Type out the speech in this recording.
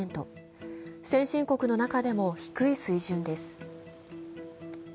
先進国の中でも低い水準です。